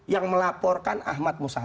yang melaporkan ahmad musa